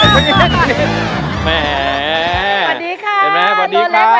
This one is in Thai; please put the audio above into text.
สวัสดีค่ะตัวเล็ก